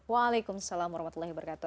waalaikumsalam warahmatullahi wabarakatuh